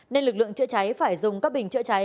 nên lực lượng chữa cháy phải dùng các bình chữa cháy